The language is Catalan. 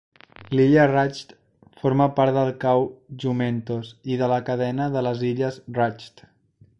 L'illa Ragged forma part del cau Jumentos i de la cadena de les illes Ragged.